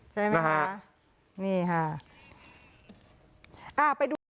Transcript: ใช่ไหมคะนี่ค่ะอ่าไปดู